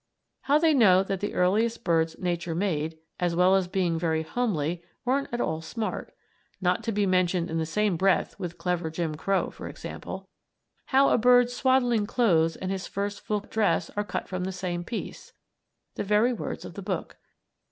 How they know that the earliest birds Nature made, as well as being very homely, weren't at all smart; not to be mentioned in the same breath with clever Jim Crow, for example. How "a bird's swaddling clothes and his first full dress are cut from the same piece," the very words of the book.